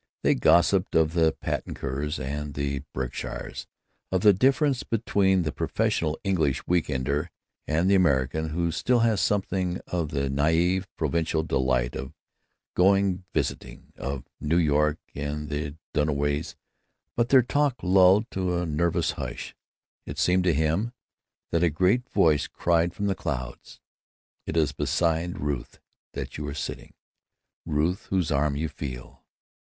They gossiped of the Patton Kerrs and the Berkshires; of the difference between the professional English week ender and the American, who still has something of the naïve provincial delight of "going visiting"; of New York and the Dunleavys. But their talk lulled to a nervous hush. It seemed to him that a great voice cried from the clouds: "It is beside Ruth that you are sitting; Ruth whose arm you feel!"